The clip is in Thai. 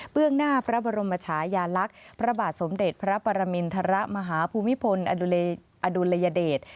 หน้าพระบรมชายาลักษณ์พระบาทสมเด็จพระปรมินทรมาฮภูมิพลอดุลยเดช